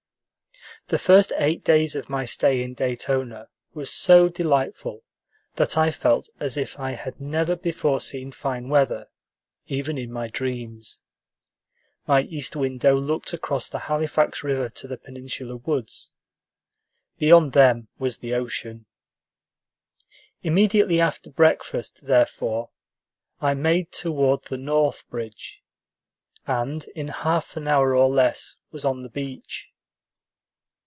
The first eight days of my stay in Daytona were so delightful that I felt as if I had never before seen fine weather, even in my dreams. My east window looked across the Halifax River to the peninsula woods. Beyond them was the ocean. Immediately after breakfast, therefore, I made toward the north bridge, and in half an hour or less was on the beach.